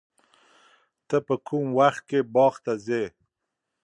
ته په کوم وخت کې باغ ته ځې؟